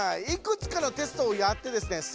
いくつかのテストをやってですね